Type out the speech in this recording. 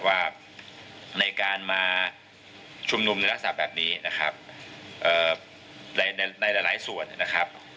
ว่าในการมาชุมนุมในลักษณะแบบนี้นะครับในในหลายส่วนนะครับ